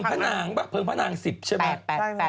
เพลิงพะนาง๑๐ใช่ไหม